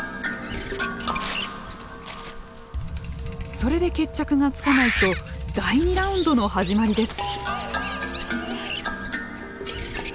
それで決着がつかないと第２ラウンドの始まりです。